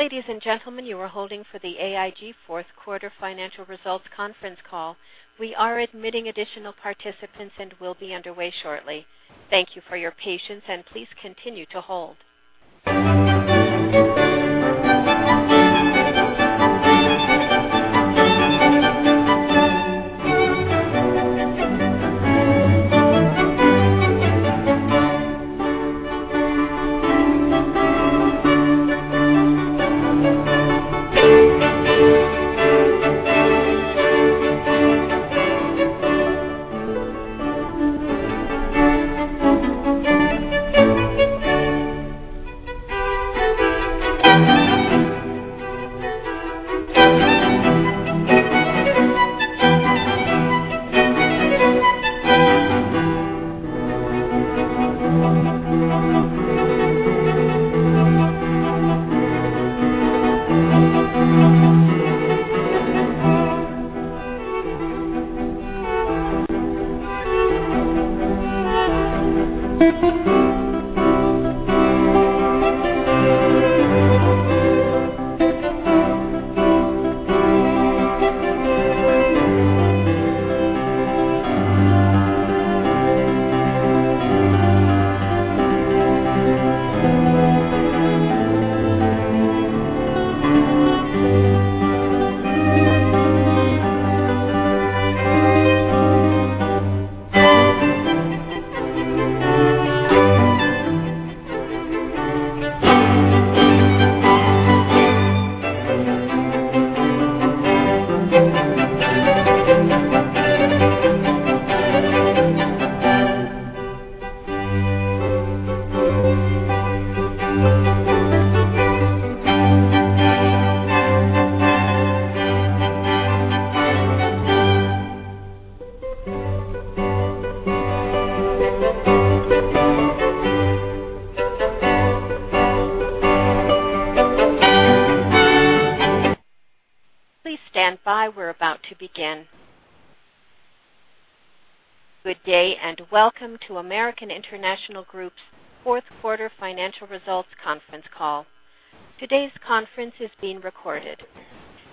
Ladies and gentlemen, you are holding for the AIG fourth quarter financial results conference call. We are admitting additional participants and will be underway shortly. Thank you for your patience, and please continue to hold. Please stand by, we are about to begin. Good day, and welcome to American International Group's fourth quarter financial results conference call. Today's conference is being recorded.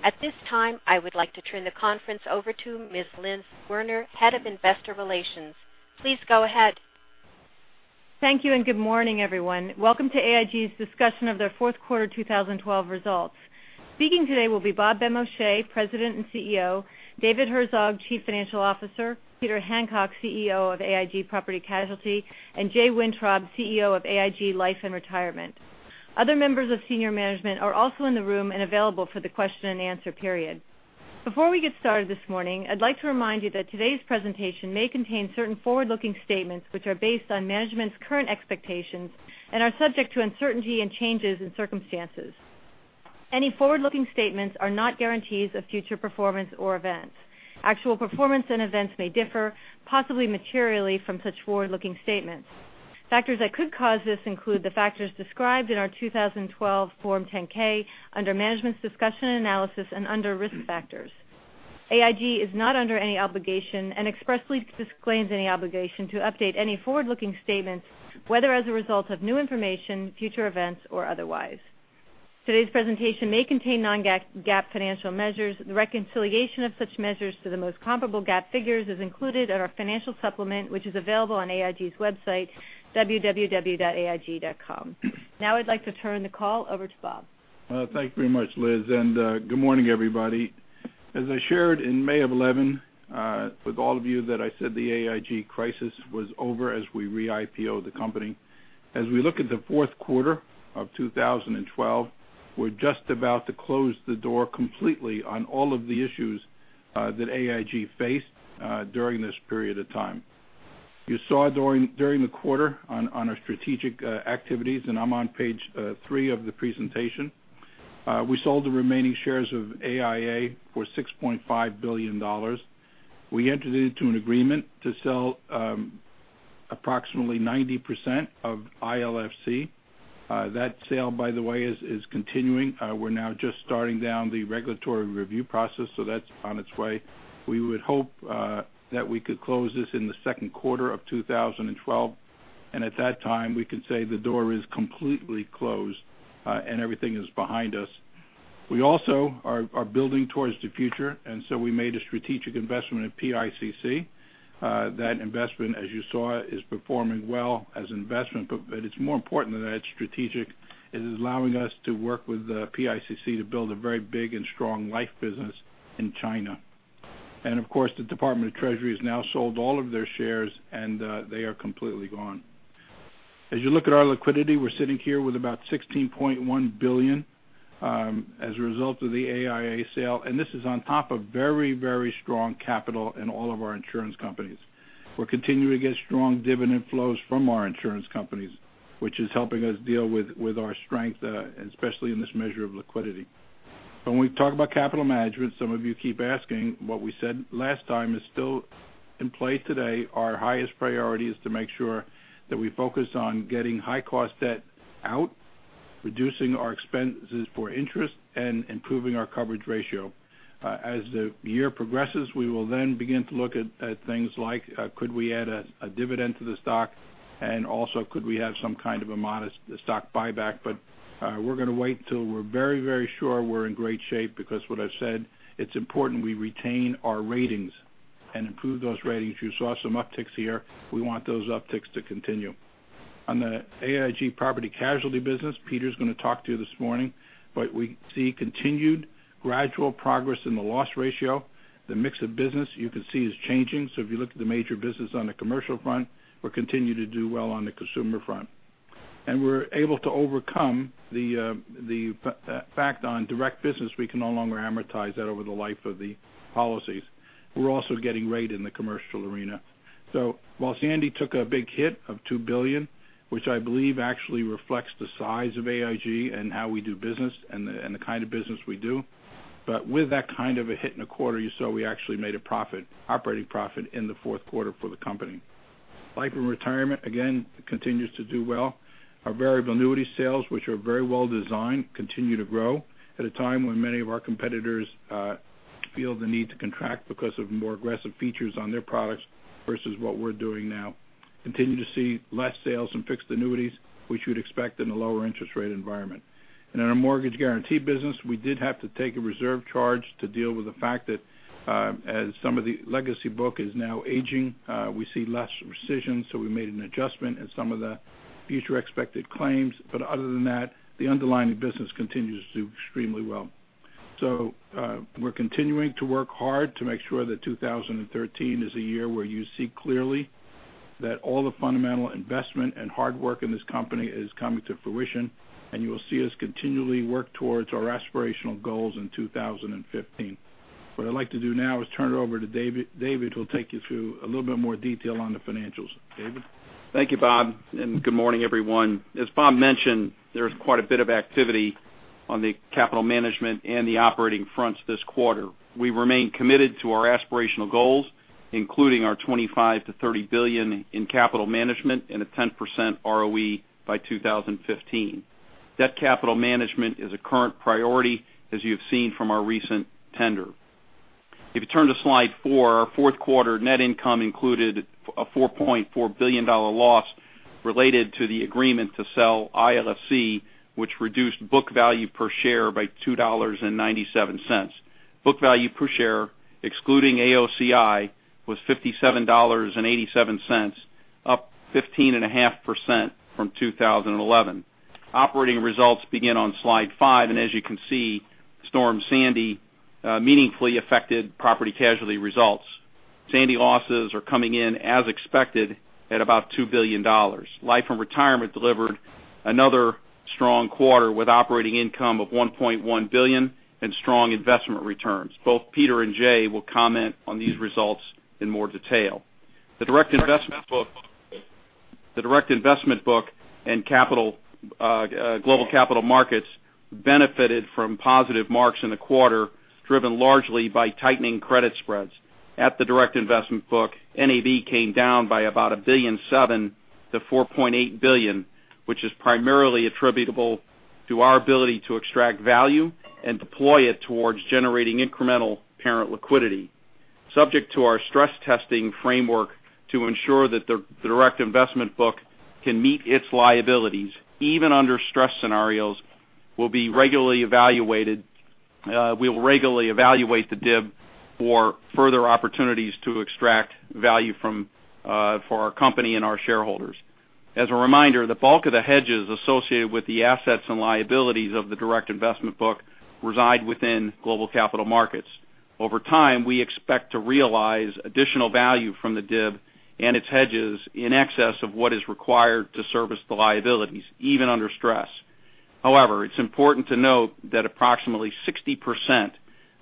At this time, I would like to turn the conference over to Ms. Liz Werner, Head of Investor Relations. Please go ahead. Thank you and good morning, everyone. Welcome to AIG's discussion of their fourth quarter 2012 results. Speaking today will be Bob Benmosche, President and CEO, David Herzog, Chief Financial Officer, Peter Hancock, CEO of AIG Property Casualty, and Jay Wintrob, CEO of AIG Life and Retirement. Other members of senior management are also in the room and available for the question and answer period. Before we get started this morning, I'd like to remind you that today's presentation may contain certain forward-looking statements, which are based on management's current expectations and are subject to uncertainty and changes in circumstances. Any forward-looking statements are not guarantees of future performance or events. Actual performance and events may differ, possibly materially, from such forward-looking statements. Factors that could cause this include the factors described in our 2012 Form 10-K under Management's Discussion Analysis and under Risk Factors. AIG is not under any obligation and expressly disclaims any obligation to update any forward-looking statements, whether as a result of new information, future events, or otherwise. Today's presentation may contain non-GAAP financial measures. The reconciliation of such measures to the most comparable GAAP figures is included in our financial supplement, which is available on AIG's website, www.aig.com. Now I'd like to turn the call over to Bob. Well, thank you very much, Liz, and good morning, everybody. As I shared in May of 2011 with all of you that I said the AIG crisis was over as we re-IPO'd the company. As we look at the fourth quarter of 2012, we are just about to close the door completely on all of the issues that AIG faced during this period of time. You saw during the quarter on our strategic activities, and I'm on page three of the presentation. We sold the remaining shares of AIA for $6.5 billion. We entered into an agreement to sell approximately 90% of ILFC. That sale, by the way, is continuing. We are now just starting down the regulatory review process. That's on its way. We would hope that we could close this in the second quarter of 2012. At that time, we can say the door is completely closed. Everything is behind us. We also are building towards the future. We made a strategic investment in PICC. That investment, as you saw, is performing well as investment, but it's more important that it's strategic. It is allowing us to work with PICC to build a very big and strong life business in China. Of course, the United States Department of the Treasury has now sold all of their shares. They are completely gone. As you look at our liquidity, we're sitting here with about $16.1 billion as a result of the AIA sale. This is on top of very, very strong capital in all of our insurance companies. We're continuing to get strong dividend flows from our insurance companies, which is helping us deal with our strength, especially in this measure of liquidity. When we talk about capital management, some of you keep asking, what we said last time is still in play today. Our highest priority is to make sure that we focus on getting high-cost debt out, reducing our expenses for interest and improving our coverage ratio. As the year progresses, we will then begin to look at things like could we add a dividend to the stock? Also could we have some kind of a modest stock buyback? We're going to wait till we're very, very sure we're in great shape, because what I've said, it's important we retain our ratings and improve those ratings. You saw some upticks here. We want those upticks to continue. On the AIG Property Casualty business, Peter's going to talk to you this morning. We see continued gradual progress in the loss ratio. The mix o`f business, you can see, is changing. If you look at the major business on the commercial front, we're continuing to do well on the consumer front. We're able to overcome the fact on direct business, we can no longer amortize that over the life of the policies. We're also getting rate in the commercial arena. While Hurricane Sandy took a big hit of $2 billion, which I believe actually reflects the size of AIG and how we do business and the kind of business we do. With that kind of a hit in a quarter, you saw we actually made operating profit in the fourth quarter for the company. Life and Retirement, again, continues to do well. Our variable annuity sales, which are very well designed, continue to grow at a time when many of our competitors feel the need to contract because of more aggressive features on their products versus what we're doing now. Continue to see less sales in fixed annuities, which you'd expect in a lower interest rate environment. In our mortgage guarantee business, we did have to take a reserve charge to deal with the fact that as some of the legacy book is now aging, we see less rescissions, so we made an adjustment in some of the future expected claims. Other than that, the underlying business continues to do extremely well. We're continuing to work hard to make sure that 2013 is a year where you see clearly that all the fundamental investment and hard work in this company is coming to fruition, and you will see us continually work towards our aspirational goals in 2015. What I'd like to do now is turn it over to David, who'll take you through a little bit more detail on the financials. David? Thank you, Bob, and good morning, everyone. As Bob mentioned, there is quite a bit of activity on the capital management and the operating fronts this quarter. We remain committed to our aspirational goals, including our $25 billion-$30 billion in capital management and a 10% ROE by 2015. Debt capital management is a current priority, as you have seen from our recent tender. If you turn to slide four, our fourth quarter net income included a $4.4 billion loss related to the agreement to sell ILFC, which reduced book value per share by $2.97. Book value per share, excluding AOCI, was $57.87, up 15.5% from 2011. Operating results begin on slide five, and as you can see, Storm Sandy meaningfully affected Property Casualty results. Sandy losses are coming in as expected at about $2 billion. Life and Retirement delivered another strong quarter, with operating income of $1.1 billion and strong investment returns. Both Peter and Jay will comment on these results in more detail. The Direct Investment Book and global capital markets benefited from positive marks in the quarter, driven largely by tightening credit spreads. At the Direct Investment Book, NAV came down by about $1.7 billion-$4.8 billion, which is primarily attributable to our ability to extract value and deploy it towards generating incremental parent liquidity. Subject to our stress testing framework to ensure that the Direct Investment Book can meet its liabilities, even under stress scenarios, we'll regularly evaluate the DIB for further opportunities to extract value for our company and our shareholders. As a reminder, the bulk of the hedges associated with the assets and liabilities of the Direct Investment Book reside within global capital markets. Over time, we expect to realize additional value from the DIB and its hedges in excess of what is required to service the liabilities, even under stress. It's important to note that approximately 60%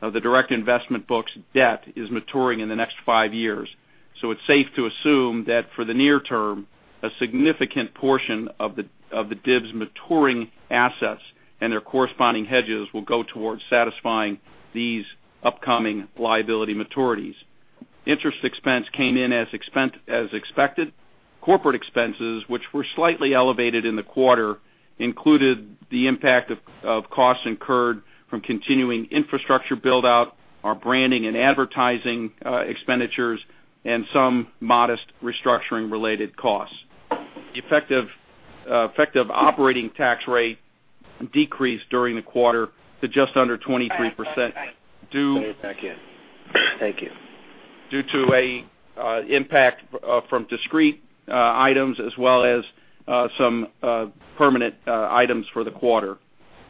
of the Direct Investment Book's debt is maturing in the next five years. It's safe to assume that for the near term, a significant portion of the DIB's maturing assets and their corresponding hedges will go towards satisfying these upcoming liability maturities. Interest expense came in as expected. Corporate expenses, which were slightly elevated in the quarter, included the impact of costs incurred from continuing infrastructure build-out, our branding and advertising expenditures, and some modest restructuring related costs. The effective operating tax rate decreased during the quarter to just under 23%. Say it again. Thank you. due to a impact from discrete items as well as some permanent items for the quarter.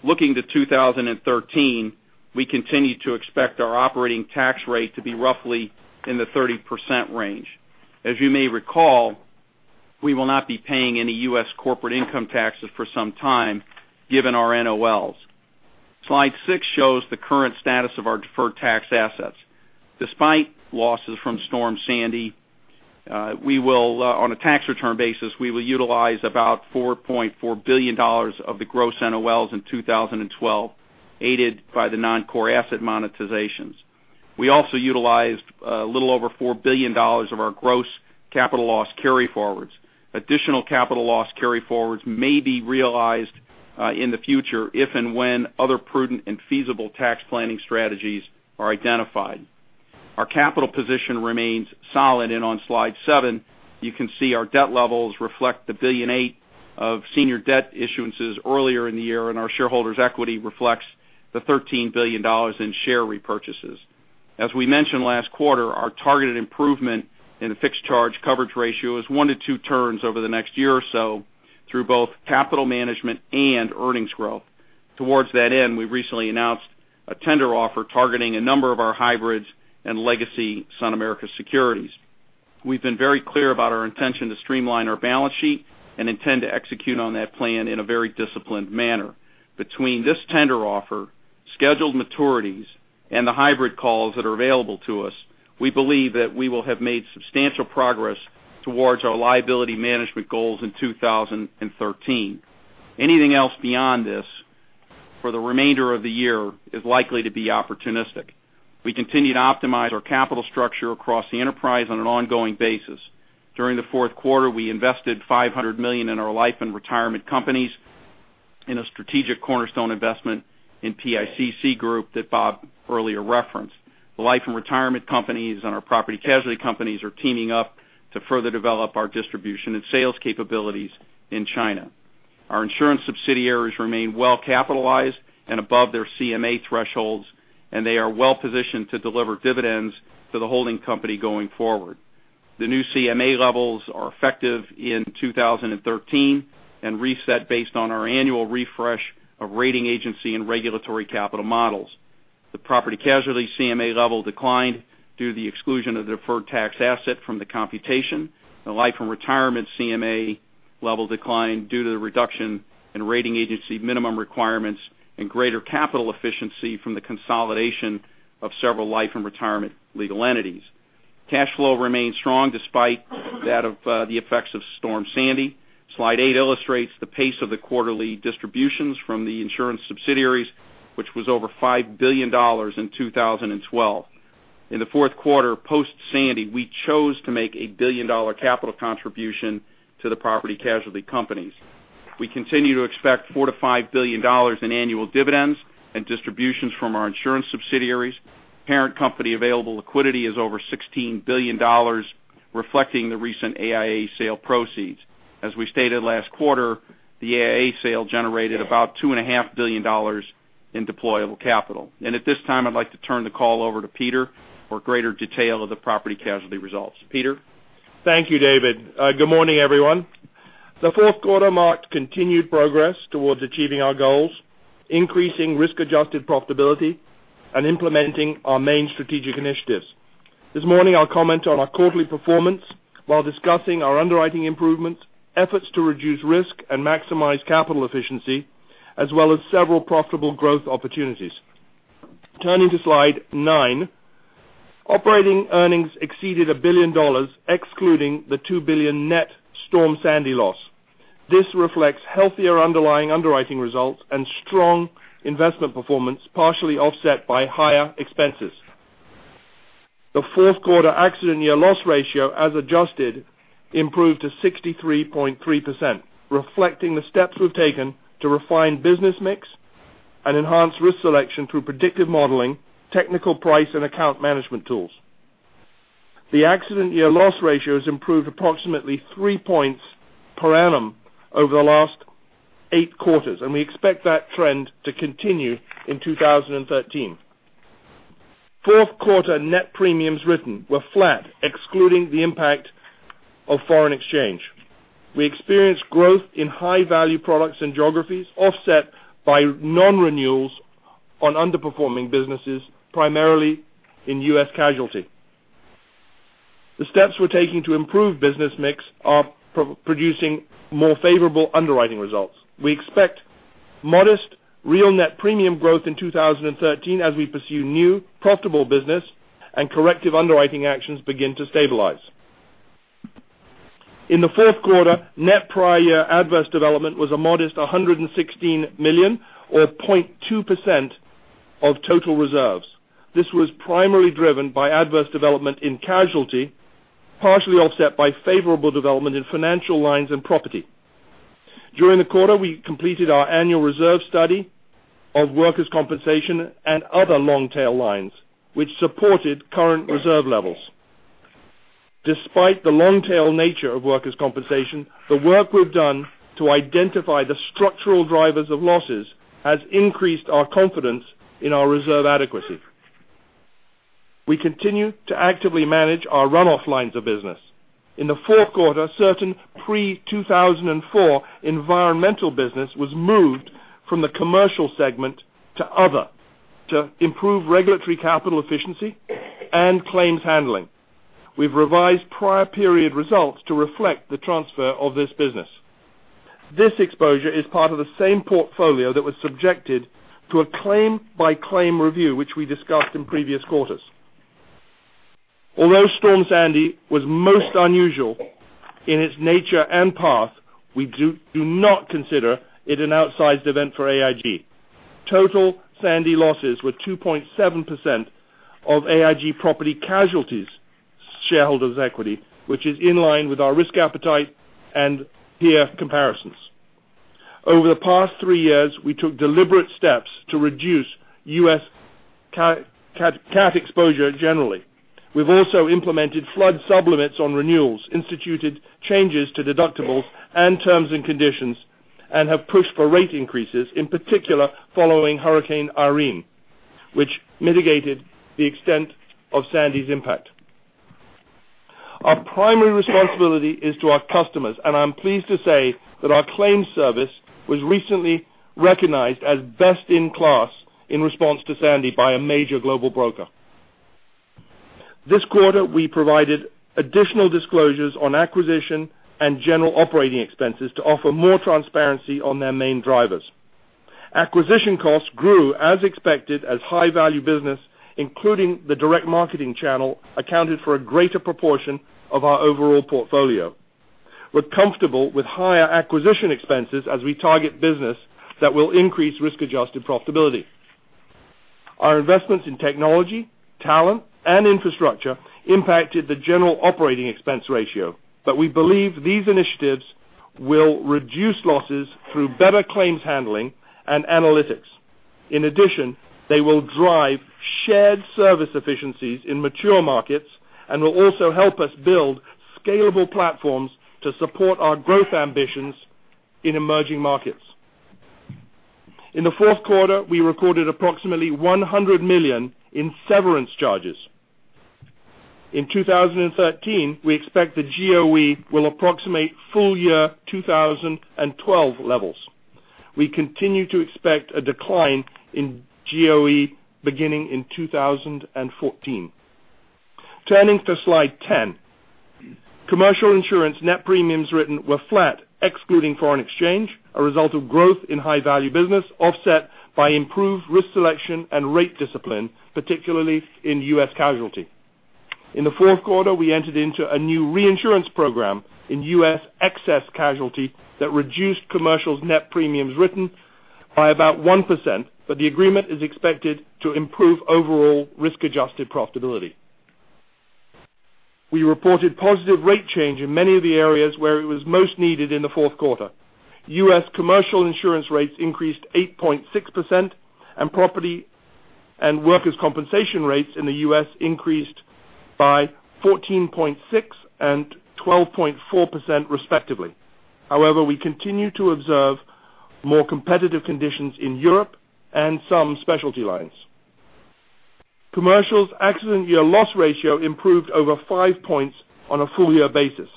Looking to 2013, we continue to expect our operating tax rate to be roughly in the 30% range. As you may recall, we will not be paying any U.S. corporate income taxes for some time, given our NOLs. Slide six shows the current status of our deferred tax assets. Despite losses from Hurricane Sandy, on a tax return basis, we will utilize about $4.4 billion of the gross NOLs in 2012, aided by the non-core asset monetizations. We also utilized a little over $4 billion of our gross capital loss carryforwards. Additional capital loss carryforwards may be realized in the future if and when other prudent and feasible tax planning strategies are identified. Our capital position remains solid. On Slide seven, you can see our debt levels reflect the $1.8 billion of senior debt issuances earlier in the year, and our shareholders' equity reflects the $13 billion in share repurchases. As we mentioned last quarter, our targeted improvement in the fixed charge coverage ratio is one to two turns over the next year or so through both capital management and earnings growth. Towards that end, we recently announced a tender offer targeting a number of our hybrids and legacy SunAmerica securities. We've been very clear about our intention to streamline our balance sheet and intend to execute on that plan in a very disciplined manner. Between this tender offer, scheduled maturities, and the hybrid calls that are available to us, we believe that we will have made substantial progress towards our liability management goals in 2013. Anything else beyond this, for the remainder of the year, is likely to be opportunistic. We continue to optimize our capital structure across the enterprise on an ongoing basis. During the fourth quarter, we invested $500 million in our Life and Retirement companies in a strategic cornerstone investment in PICC Group that Bob earlier referenced. The Life and Retirement companies and our Property Casualty companies are teaming up to further develop our distribution and sales capabilities in China. Our insurance subsidiaries remain well-capitalized and above their CMA thresholds, and they are well-positioned to deliver dividends to the holding company going forward. The new CMA levels are effective in 2013 and reset based on our annual refresh of rating agency and regulatory capital models. The Property Casualty CMA level declined due to the exclusion of the deferred tax asset from the computation. The Life and Retirement CMA level declined due to the reduction in rating agency minimum requirements and greater capital efficiency from the consolidation of several Life and Retirement legal entities. Cash flow remains strong despite that of the effects of Hurricane Sandy. Slide 8 illustrates the pace of the quarterly distributions from the insurance subsidiaries, which was over $5 billion in 2012. In the fourth quarter post-Hurricane Sandy, we chose to make a billion-dollar capital contribution to the AIG Property Casualty companies. We continue to expect $4 billion-$5 billion in annual dividends and distributions from our insurance subsidiaries. Parent company available liquidity is over $16 billion, reflecting the recent AIA sale proceeds. As we stated last quarter, the AIA sale generated about $2.5 billion in deployable capital. At this time, I'd like to turn the call over to Peter for greater detail of the AIG Property Casualty results. Peter? Thank you, David. Good morning, everyone. The fourth quarter marked continued progress towards achieving our goals, increasing risk-adjusted profitability, and implementing our main strategic initiatives. This morning, I'll comment on our quarterly performance while discussing our underwriting improvements, efforts to reduce risk and maximize capital efficiency, as well as several profitable growth opportunities. Turning to Slide 9, operating earnings exceeded $1 billion excluding the $2 billion net Hurricane Sandy loss. This reflects healthier underlying underwriting results and strong investment performance, partially offset by higher expenses. The fourth quarter accident year loss ratio, as adjusted, improved to 63.3%, reflecting the steps we've taken to refine business mix and enhance risk selection through predictive modeling, technical price, and account management tools. The accident year loss ratio has improved approximately three points per annum over the last eight quarters, and we expect that trend to continue in 2013. Fourth quarter net premiums written were flat, excluding the impact of foreign exchange. We experienced growth in high-value products and geographies offset by nonrenewals on underperforming businesses, primarily in U.S. casualty. The steps we're taking to improve business mix are producing more favorable underwriting results. We expect modest real net premium growth in 2013 as we pursue new profitable business and corrective underwriting actions begin to stabilize. In the fourth quarter, net prior year adverse development was a modest $116 million, or 0.2% of total reserves. This was primarily driven by adverse development in casualty, partially offset by favorable development in financial lines and property. During the quarter, we completed our annual reserve study of workers' compensation and other long-tail lines, which supported current reserve levels. Despite the long-tail nature of workers' compensation, the work we've done to identify the structural drivers of losses has increased our confidence in our reserve adequacy. We continue to actively manage our runoff lines of business. In the fourth quarter, certain pre-2004 environmental business was moved from the commercial segment to other to improve regulatory capital efficiency and claims handling. We've revised prior period results to reflect the transfer of this business. This exposure is part of the same portfolio that was subjected to a claim-by-claim review, which we discussed in previous quarters. Although Hurricane Sandy was most unusual in its nature and path, we do not consider it an outsized event for AIG. Total Hurricane Sandy losses were 2.7% of AIG Property Casualty's shareholders' equity, which is in line with our risk appetite and year comparisons. Over the past three years, we took deliberate steps to reduce U.S. cat exposure generally. We've also implemented flood sub-limits on renewals, instituted changes to deductibles and terms and conditions, and have pushed for rate increases, in particular, following Hurricane Irene, which mitigated the extent of Sandy's impact. Our primary responsibility is to our customers, and I'm pleased to say that our claims service was recently recognized as best in class in response to Sandy by a major global broker. This quarter, we provided additional disclosures on acquisition and general operating expenses to offer more transparency on their main drivers. Acquisition costs grew as expected as high-value business, including the direct marketing channel, accounted for a greater proportion of our overall portfolio. We're comfortable with higher acquisition expenses as we target business that will increase risk-adjusted profitability. Our investments in technology, talent, and infrastructure impacted the general operating expense ratio, but we believe these initiatives will reduce losses through better claims handling and analytics. In addition, they will drive shared service efficiencies in mature markets and will also help us build scalable platforms to support our growth ambitions in emerging markets. In the fourth quarter, we recorded approximately $100 million in severance charges. In 2013, we expect the GOE will approximate full-year 2012 levels. We continue to expect a decline in GOE beginning in 2014. Turning to slide 10. Commercial insurance net premiums written were flat, excluding foreign exchange, a result of growth in high-value business offset by improved risk selection and rate discipline, particularly in U.S. casualty. In the fourth quarter, we entered into a new reinsurance program in U.S. excess casualty that reduced commercials net premiums written by about 1%, but the agreement is expected to improve overall risk-adjusted profitability. We reported positive rate change in many of the areas where it was most needed in the fourth quarter. U.S. commercial insurance rates increased 8.6% and property and workers' compensation rates in the U.S. increased by 14.6% and 12.4% respectively. However, we continue to observe more competitive conditions in Europe and some specialty lines. Commercial's accident year loss ratio improved over five points on a full-year basis,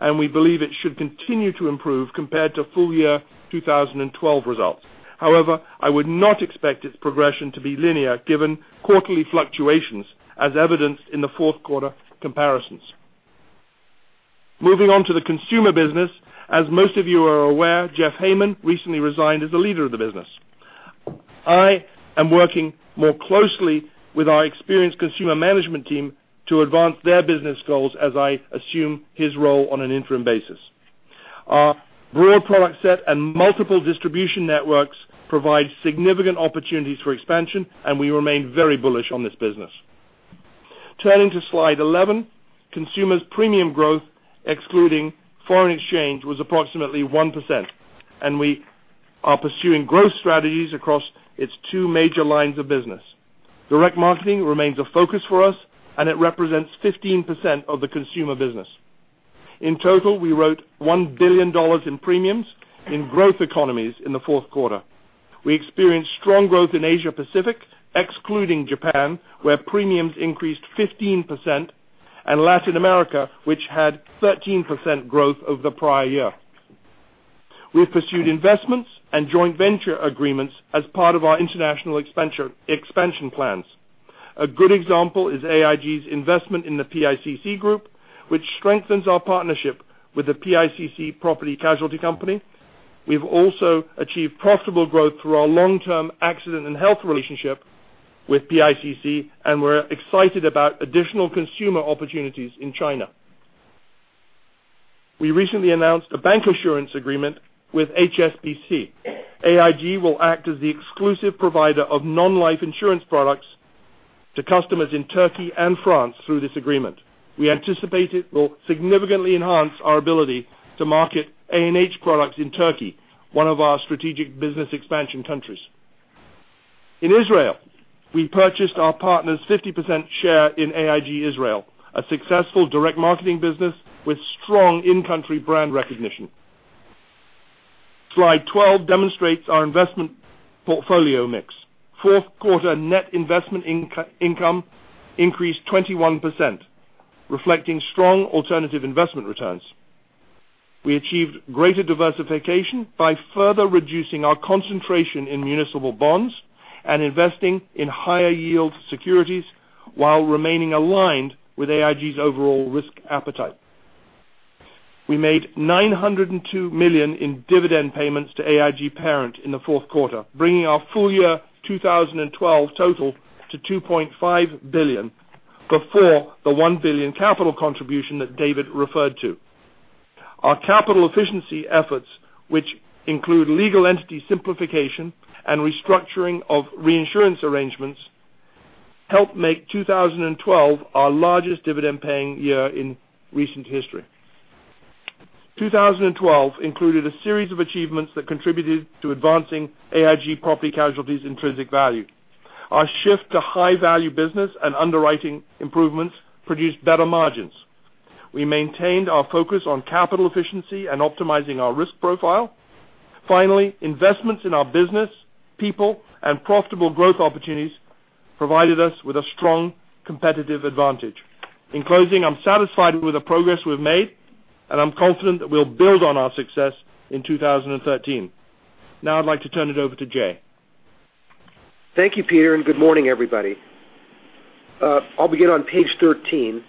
and we believe it should continue to improve compared to full-year 2012 results. However, I would not expect its progression to be linear given quarterly fluctuations as evidenced in the fourth quarter comparisons. Moving on to the consumer business. As most of you are aware, Jeff Hayman recently resigned as the leader of the business. I am working more closely with our experienced consumer management team to advance their business goals as I assume his role on an interim basis. Our broad product set and multiple distribution networks provide significant opportunities for expansion, and we remain very bullish on this business. Turning to slide 11. Consumer's premium growth, excluding foreign exchange, was approximately 1%, and we are pursuing growth strategies across its two major lines of business. Direct marketing remains a focus for us, and it represents 15% of the consumer business. In total, we wrote $1 billion in premiums in growth economies in the fourth quarter. We experienced strong growth in Asia Pacific, excluding Japan, where premiums increased 15%, and Latin America, which had 13% growth over the prior year. We've pursued investments and joint venture agreements as part of our international expansion plans. A good example is AIG's investment in the PICC Group, which strengthens our partnership with the PICC Property Casualty Company. We've also achieved profitable growth through our long-term accident and health relationship with PICC, and we're excited about additional consumer opportunities in China. We recently announced a bancassurance agreement with HSBC. AIG will act as the exclusive provider of non-life insurance products to customers in Turkey and France through this agreement. We anticipate it will significantly enhance our ability to market A&H products in Turkey, one of our strategic business expansion countries. In Israel, we purchased our partner's 50% share in AIG Israel, a successful direct marketing business with strong in-country brand recognition. Slide 12 demonstrates our investment portfolio mix. Fourth quarter net investment income increased 21%, reflecting strong alternative investment returns. We achieved greater diversification by further reducing our concentration in municipal bonds and investing in higher yield securities while remaining aligned with AIG's overall risk appetite. We made $902 million in dividend payments to AIG Parent in the fourth quarter, bringing our full year 2012 total to $2.5 billion before the $1 billion capital contribution that David referred to. Our capital efficiency efforts, which include legal entity simplification and restructuring of reinsurance arrangements, helped make 2012 our largest dividend-paying year in recent history. 2012 included a series of achievements that contributed to advancing AIG Property Casualty's intrinsic value. Our shift to high-value business and underwriting improvements produced better margins. We maintained our focus on capital efficiency and optimizing our risk profile. Finally, investments in our business, people, and profitable growth opportunities provided us with a strong competitive advantage. In closing, I'm satisfied with the progress we've made, and I'm confident that we'll build on our success in 2013. Now I'd like to turn it over to Jay. Thank you, Peter. Good morning, everybody. I'll begin on page 13.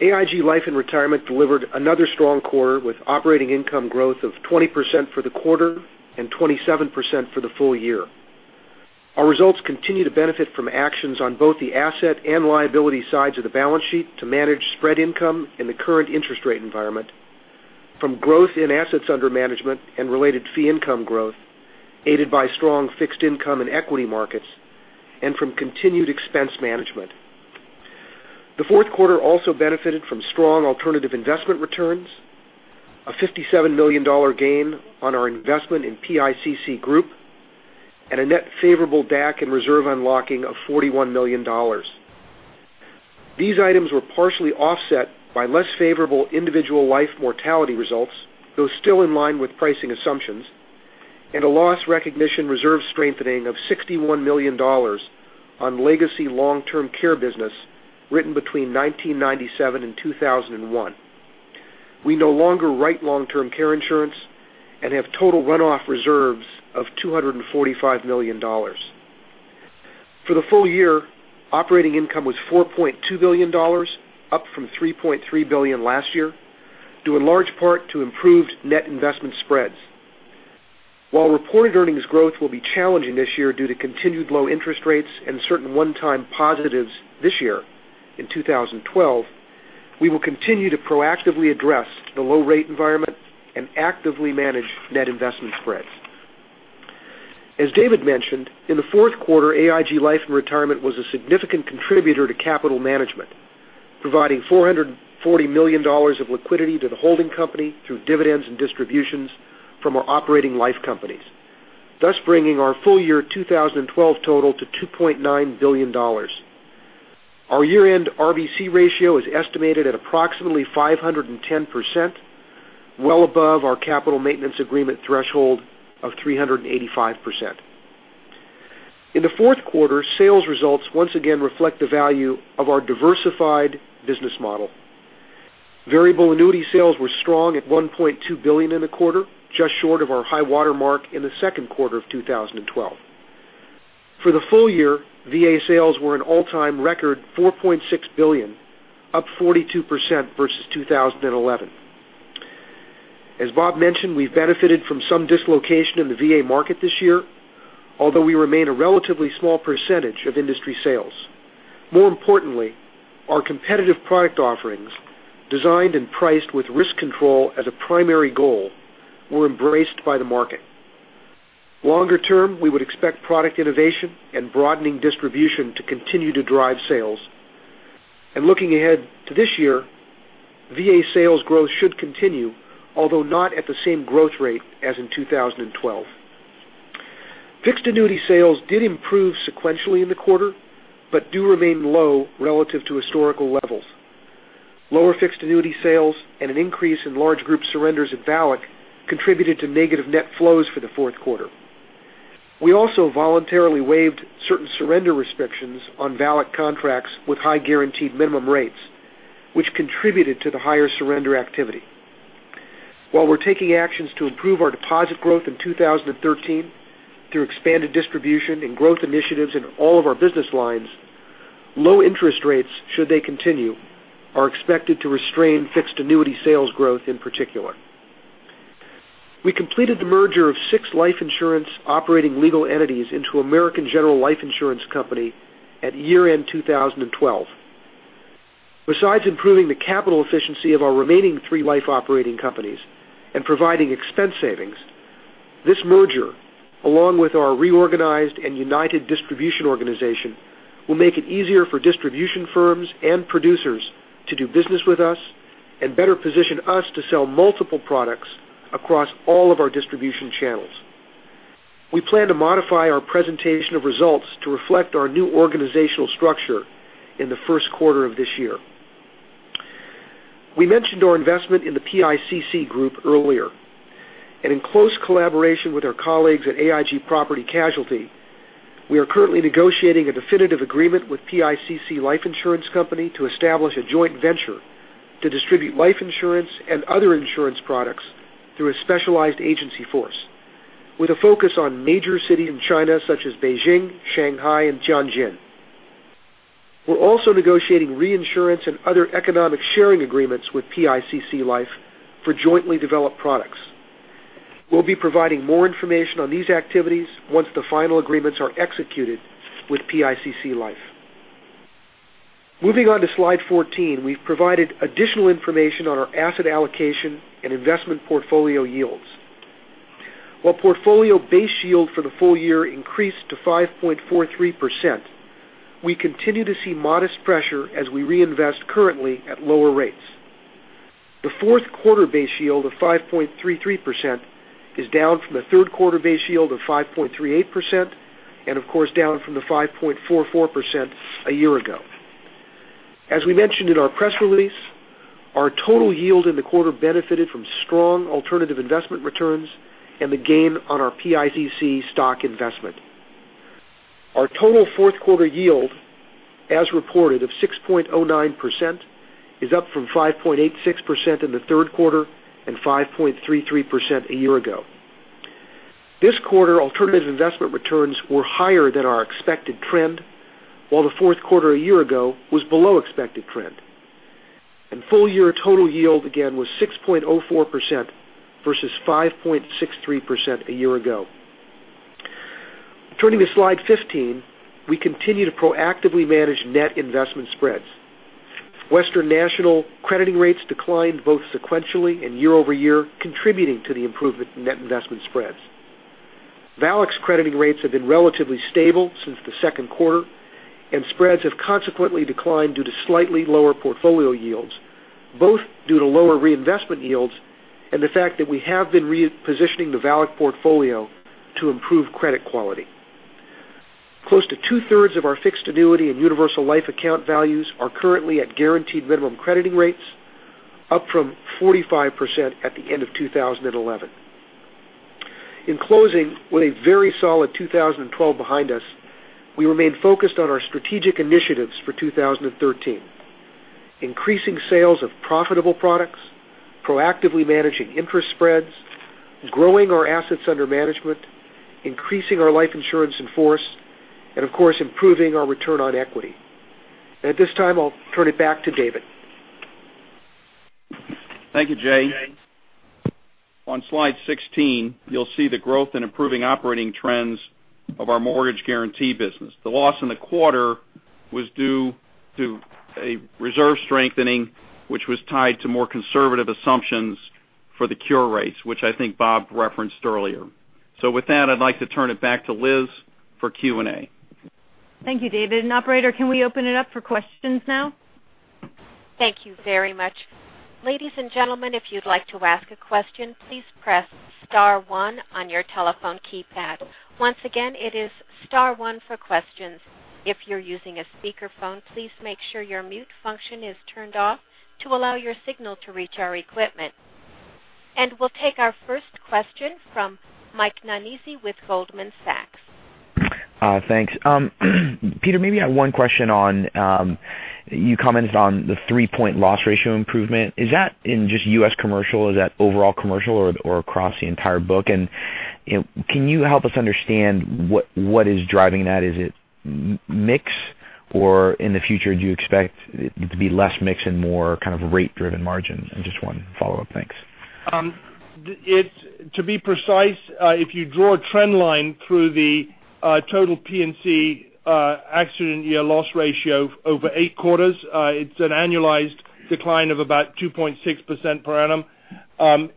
AIG Life & Retirement delivered another strong quarter with operating income growth of 20% for the quarter and 27% for the full year. Our results continue to benefit from actions on both the asset and liability sides of the balance sheet to manage spread income in the current interest rate environment, from growth in assets under management and related fee income growth, aided by strong fixed income and equity markets, and from continued expense management. The fourth quarter also benefited from strong alternative investment returns, a $57 million gain on our investment in PICC Group, and a net favorable DAC and reserve unlocking of $41 million. These items were partially offset by less favorable individual life mortality results, though still in line with pricing assumptions, and a loss recognition reserve strengthening of $61 million on legacy long-term care business written between 1997 and 2001. We no longer write long-term care insurance and have total runoff reserves of $245 million. For the full year, operating income was $4.2 billion, up from $3.3 billion last year, due in large part to improved net investment spreads. While reported earnings growth will be challenging this year due to continued low interest rates and certain one-time positives this year in 2012, we will continue to proactively address the low rate environment and actively manage net investment spreads. As David mentioned, in the fourth quarter, AIG Life and Retirement was a significant contributor to capital management, providing $440 million of liquidity to the holding company through dividends and distributions from our operating life companies, thus bringing our full year 2012 total to $2.9 billion. Our year-end RBC ratio is estimated at approximately 510%, well above our capital maintenance agreement threshold of 385%. In the fourth quarter, sales results once again reflect the value of our diversified business model. Variable annuity sales were strong at $1.2 billion in the quarter, just short of our high water mark in the second quarter of 2012. For the full year, VA sales were an all-time record $4.6 billion, up 42% versus 2011. As Bob mentioned, we've benefited from some dislocation in the VA market this year, although we remain a relatively small percentage of industry sales. More importantly, our competitive product offerings, designed and priced with risk control as a primary goal, were embraced by the market. Longer term, we would expect product innovation and broadening distribution to continue to drive sales. Looking ahead to this year, VA sales growth should continue, although not at the same growth rate as in 2012. Fixed annuity sales did improve sequentially in the quarter, but do remain low relative to historical levels. Lower fixed annuity sales and an increase in large group surrenders at VALIC contributed to negative net flows for the fourth quarter. We also voluntarily waived certain surrender restrictions on VALIC contracts with high guaranteed minimum rates, which contributed to the higher surrender activity. While we're taking actions to improve our deposit growth in 2013 through expanded distribution and growth initiatives in all of our business lines, low interest rates, should they continue, are expected to restrain fixed annuity sales growth in particular. We completed the merger of six life insurance operating legal entities into American General Life Insurance Company at year-end 2012. Besides improving the capital efficiency of our remaining three life operating companies and providing expense savings, this merger, along with our reorganized and united distribution organization, will make it easier for distribution firms and producers to do business with us and better position us to sell multiple products across all of our distribution channels. We plan to modify our presentation of results to reflect our new organizational structure in the first quarter of this year. We mentioned our investment in the PICC Group earlier. In close collaboration with our colleagues at AIG Property Casualty, we are currently negotiating a definitive agreement with PICC Life Insurance Company to establish a joint venture to distribute life insurance and other insurance products through a specialized agency force, with a focus on major cities in China such as Beijing, Shanghai, and Tianjin. We're also negotiating reinsurance and other economic sharing agreements with PICC Life for jointly developed products. We'll be providing more information on these activities once the final agreements are executed with PICC Life. Moving on to slide 14, we've provided additional information on our asset allocation and investment portfolio yields. While portfolio base yield for the full year increased to 5.43%, we continue to see modest pressure as we reinvest currently at lower rates. The fourth quarter base yield of 5.33% is down from the third quarter base yield of 5.38%, and of course, down from the 5.44% a year ago. As we mentioned in our press release, our total yield in the quarter benefited from strong alternative investment returns and the gain on our PICC stock investment. Our total fourth quarter yield, as reported of 6.09%, is up from 5.86% in the third quarter and 5.33% a year ago. This quarter, alternative investment returns were higher than our expected trend, while the fourth quarter a year ago was below expected trend. Full year total yield, again, was 6.04% versus 5.63% a year ago. Turning to slide 15, we continue to proactively manage net investment spreads. Western National crediting rates declined both sequentially and year-over-year, contributing to the improvement in net investment spreads. VALIC's crediting rates have been relatively stable since the second quarter, and spreads have consequently declined due to slightly lower portfolio yields, both due to lower reinvestment yields and the fact that we have been repositioning the VALIC portfolio to improve credit quality. Close to two-thirds of our fixed annuity and universal life account values are currently at guaranteed minimum crediting rates, up from 45% at the end of 2011. In closing, with a very solid 2012 behind us, we remain focused on our strategic initiatives for 2013. Increasing sales of profitable products, proactively managing interest spreads, growing our assets under management, increasing our life insurance in force, and of course, improving our return on equity. At this time, I'll turn it back to David. Thank you, Jay. On slide 16, you'll see the growth in improving operating trends of our mortgage guarantee business. The loss in the quarter was due to a reserve strengthening, which was tied to more conservative assumptions for the cure rates, which I think Bob referenced earlier. With that, I'd like to turn it back to Liz for Q&A. Thank you, David. Operator, can we open it up for questions now? Thank you very much. Ladies and gentlemen, if you'd like to ask a question, please press star one on your telephone keypad. Once again, it is star one for questions. If you're using a speakerphone, please make sure your mute function is turned off to allow your signal to reach our equipment. We'll take our first question from Mike Nannizzi with Goldman Sachs. Thanks. Peter, maybe I have one question on, you commented on the three point loss ratio improvement. Is that in just U.S. commercial? Is that overall commercial or across the entire book? Can you help us understand what is driving that? Is it mix or in the future, do you expect it to be less mix and more kind of rate-driven margin? Just one follow-up. Thanks. To be precise, if you draw a trend line through the total P&C accident year loss ratio over eight quarters, it's an annualized decline of about 2.6% per annum.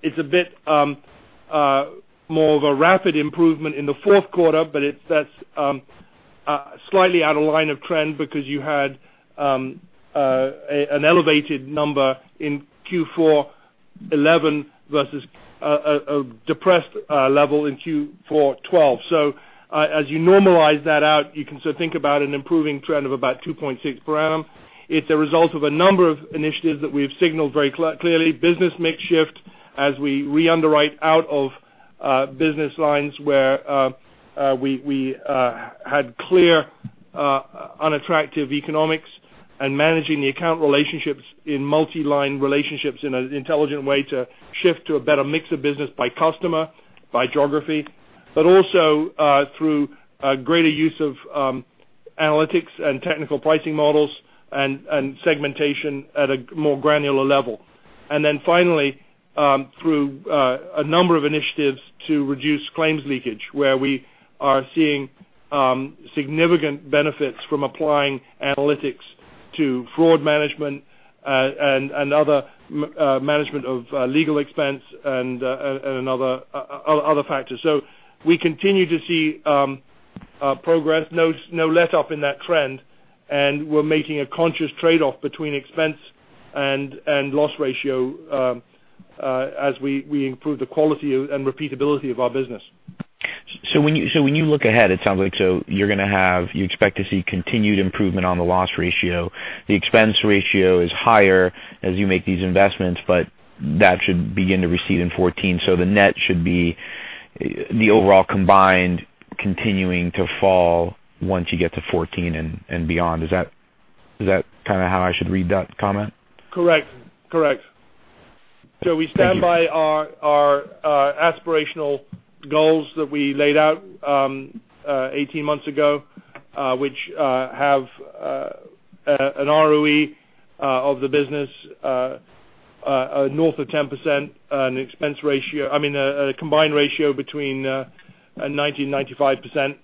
It's a bit more of a rapid improvement in the fourth quarter, but that's slightly out of line of trend because you had an elevated number in Q4 2011 versus a depressed level in Q4 2012. As you normalize that out, you can still think about an improving trend of about 2.6% per annum. It's a result of a number of initiatives that we've signaled very clearly. Business mix shift as we underwrite out of business lines where we had clear unattractive economics and managing the account relationships in multi-line relationships in an intelligent way to shift to a better mix of business by customer, by geography, but also through greater use of analytics and technical pricing models and segmentation at a more granular level. Finally, through a number of initiatives to reduce claims leakage, where we are seeing significant benefits from applying analytics to fraud management and other management of legal expense and other factors. We continue to see progress, no let-up in that trend, and we're making a conscious trade-off between expense and loss ratio as we improve the quality and repeatability of our business. When you look ahead, it sounds like you expect to see continued improvement on the loss ratio. The expense ratio is higher as you make these investments, but that should begin to recede in 2014. The net should be the overall combined continuing to fall once you get to 2014 and beyond. Is that how I should read that comment? Correct. We stand by our aspirational goals that we laid out 18 months ago, which have an ROE of the business north of 10%, an expense ratio, I mean, a combined ratio between 90% and 95%.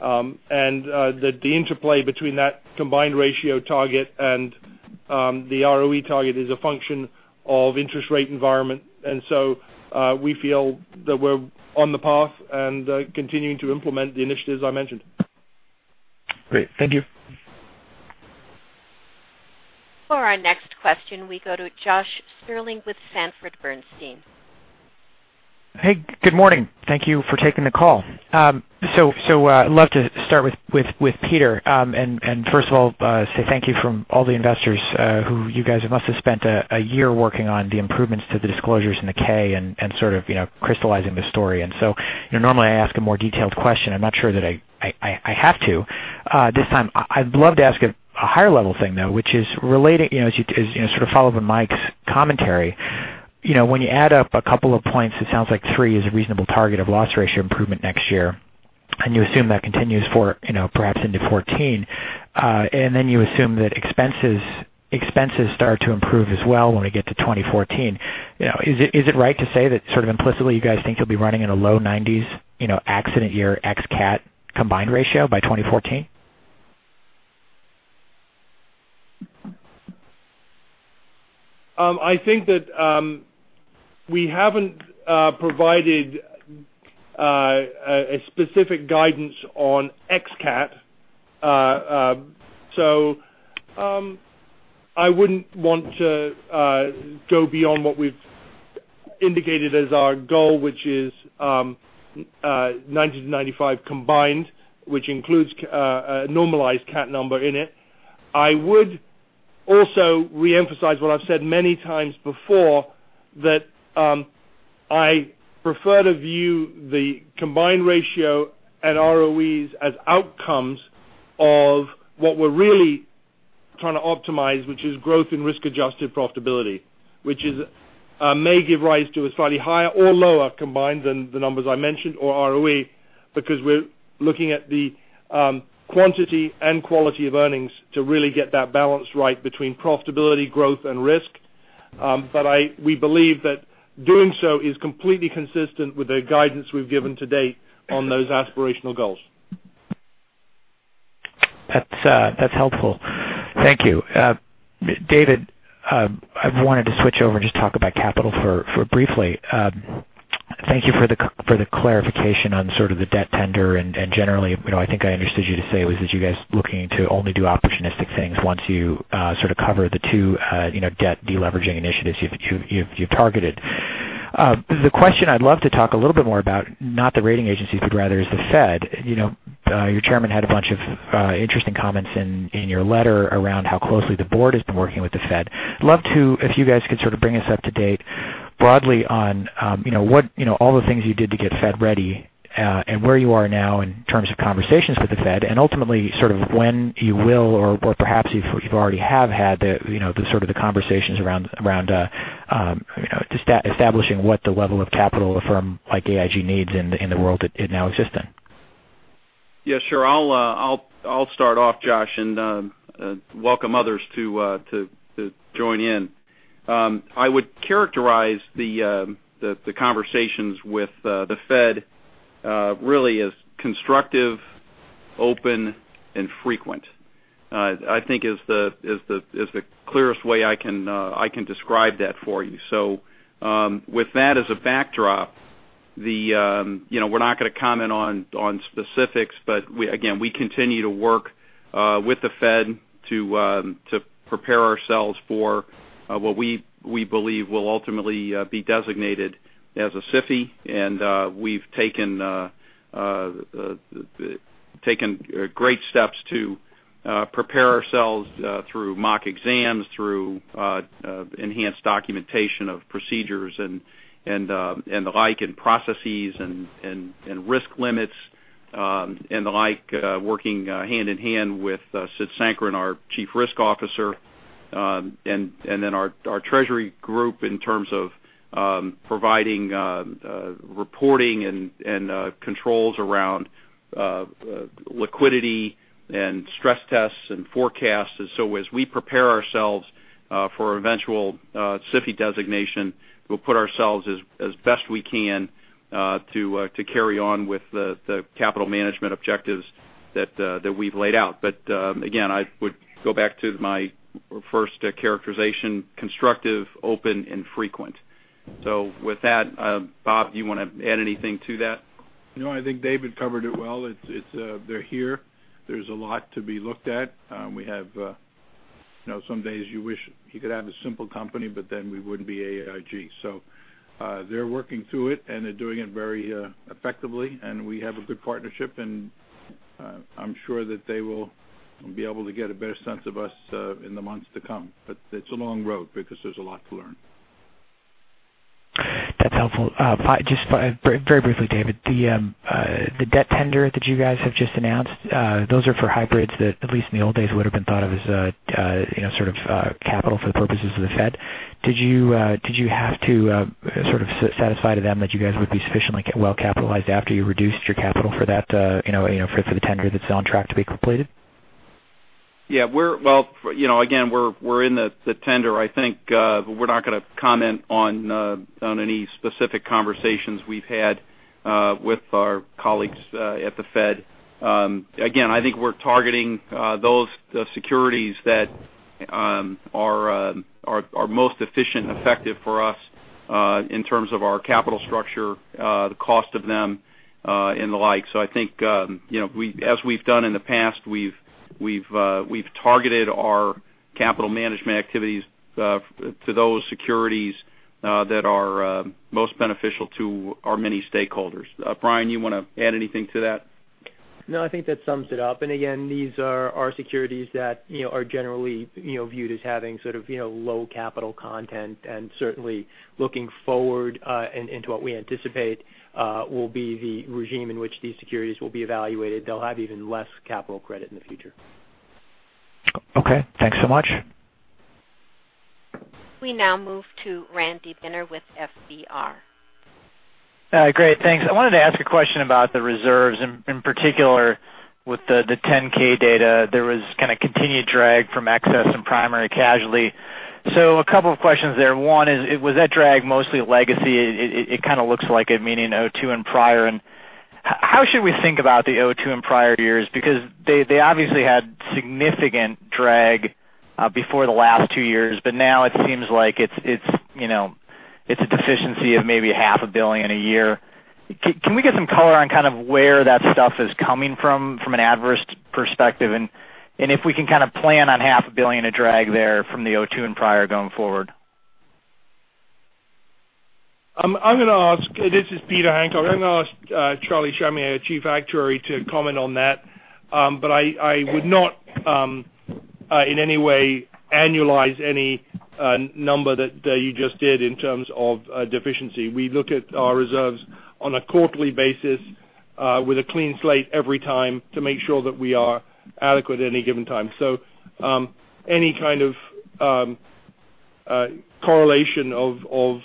The interplay between that combined ratio target and the ROE target is a function of interest rate environment. We feel that we're on the path and continuing to implement the initiatives I mentioned. Great. Thank you. For our next question, we go to Josh Stirling with Sanford Bernstein. Hey, good morning. Thank you for taking the call. I'd love to start with Peter. First of all, say thank you from all the investors who you guys must have spent a year working on the improvements to the disclosures in the K and sort of crystallizing the story. Normally I ask a more detailed question. I'm not sure that I have to this time. I'd love to ask a higher level thing, though, which is relating as you sort of follow up on Mike's commentary. When you add up a couple of points, it sounds like three is a reasonable target of loss ratio improvement next year. You assume that continues for perhaps into 2014. Then you assume that expenses start to improve as well when we get to 2014. Is it right to say that sort of implicitly, you guys think you'll be running in a low 90s accident year ex-cat combined ratio by 2014? I think that we haven't provided a specific guidance on ex-cat. I wouldn't want to go beyond what we've indicated as our goal, which is 90-95 combined, which includes a normalized cat number in it. I would also reemphasize what I've said many times before, that I prefer to view the combined ratio and ROEs as outcomes of what we're really trying to optimize, which is growth in risk-adjusted profitability. Which may give rise to a slightly higher or lower combined than the numbers I mentioned or ROE, because we're looking at the quantity and quality of earnings to really get that balance right between profitability, growth and risk. We believe that doing so is completely consistent with the guidance we've given to date on those aspirational goals. That's helpful. Thank you. David, I wanted to switch over and just talk about capital briefly. Thank you for the clarification on sort of the debt tender and generally, I think I understood you to say was that you guys looking to only do opportunistic things once you sort of cover the two debt deleveraging initiatives you've targeted. The question I'd love to talk a little bit more about, not the rating agencies, but rather is the Fed. Your chairman had a bunch of interesting comments in your letter around how closely the board has been working with the Fed. I'd love to, if you guys could sort of bring us up to date broadly on all the things you did to get Fed ready and where you are now in terms of conversations with the Fed and ultimately sort of when you will or perhaps you already have had the sort of the conversations around establishing what the level of capital a firm like AIG needs in the world it now exists in. Yeah, sure. I'll start off Josh and welcome others to join in. I would characterize the conversations with the Fed really as constructive, open and frequent. I think is the clearest way I can describe that for you. With that as a backdrop, we're not going to comment on specifics, but again, we continue to work with the Fed to prepare ourselves for what we believe will ultimately be designated as a SIFI. We've taken great steps to prepare ourselves through mock exams, through enhanced documentation of procedures and the like, and processes and risk limits and the like, working hand in hand with Sid Sankaran, our chief risk officer, and then our treasury group in terms of providing reporting and controls around liquidity and stress tests and forecasts. As we prepare ourselves for eventual SIFI designation, we'll put ourselves as best we can to carry on with the capital management objectives that we've laid out. Again, I would go back to my first characterization, constructive, open and frequent. With that Bob, do you want to add anything to that? I think David covered it well. They're here. There's a lot to be looked at. We have some days you wish you could have a simple company, we wouldn't be AIG. They're working through it, and they're doing it very effectively, and we have a good partnership, and I'm sure that they will be able to get a better sense of us in the months to come. It's a long road because there's a lot to learn. That's helpful. Just very briefly, David, the debt tender that you guys have just announced, those are for hybrids that at least in the old days would have been thought of as sort of capital for the purposes of The Fed. Did you have to sort of satisfy to them that you guys would be sufficiently well-capitalized after you reduced your capital for the tender that's on track to be completed? Yeah. Again, we're in the tender, I think. We're not going to comment on any specific conversations we've had with our colleagues at The Fed. Again, I think we're targeting those securities that are most efficient and effective for us, in terms of our capital structure, the cost of them, and the like. I think, as we've done in the past, we've targeted our capital management activities to those securities that are most beneficial to our many stakeholders. Brian, you want to add anything to that? I think that sums it up. Again, these are securities that are generally viewed as having sort of low capital content, and certainly looking forward into what we anticipate will be the regime in which these securities will be evaluated. They'll have even less capital credit in the future. Okay. Thanks so much. We now move to Randy Binner with FBR. Great. Thanks. I wanted to ask a question about the reserves, in particular with the 10-K data. There was kind of continued drag from excess and primary casualty. A couple of questions there. One is, was that drag mostly legacy? It kind of looks like it, meaning 2002 and prior. And how should we think about the 2002 and prior years? Because they obviously had significant drag before the last two years, but now it seems like it's a deficiency of maybe half a billion a year. Can we get some color on kind of where that stuff is coming from an adverse perspective, and if we can kind of plan on half a billion of drag there from the 2002 and prior going forward? This is Peter Hancock. I'm going to ask Charlie Shamieh, our Chief Actuary, to comment on that. I would not, in any way, annualize any number that you just did in terms of deficiency. We look at our reserves on a quarterly basis with a clean slate every time to make sure that we are adequate at any given time. Any kind of correlation of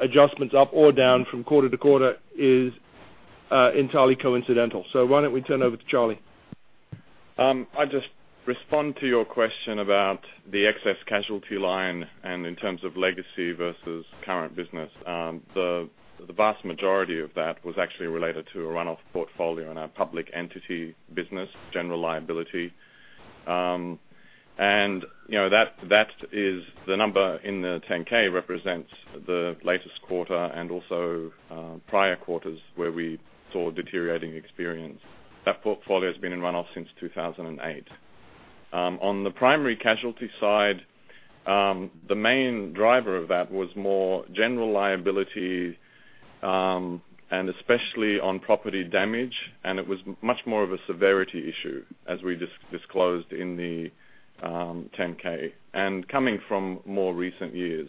adjustments up or down from quarter to quarter is entirely coincidental. Why don't we turn over to Charlie? I'll just respond to your question about the excess casualty line and in terms of legacy versus current business. The vast majority of that was actually related to a runoff portfolio in our public entity business, general liability. The number in the 10-K represents the latest quarter and also prior quarters where we saw deteriorating experience. That portfolio's been in runoff since 2008. On the primary casualty side, the main driver of that was more general liability, and especially on property damage, and it was much more of a severity issue, as we disclosed in the 10-K, and coming from more recent years.